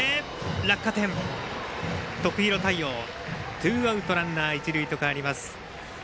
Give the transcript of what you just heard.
ツーアウトランナー、一塁と変わります。